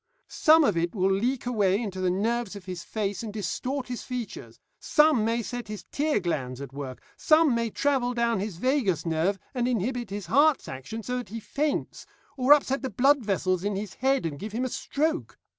Some of it will leak away into the nerves of his face and distort his features, some may set his tear glands at work, some may travel down his vagus nerve and inhibit his heart's action so that he faints, or upset the blood vessels in his head and give him a stroke.